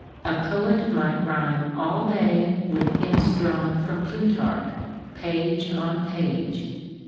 A poet might rhyme all day with hints drawn from Plutarch, page on page.